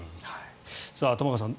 玉川さん